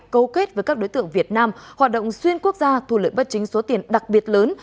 cấu kết với các đối tượng việt nam hoạt động xuyên quốc gia thu lợi bất chính số tiền đặc biệt lớn